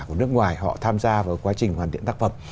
của nước ngoài họ tham gia vào quá trình hoàn thiện tác phẩm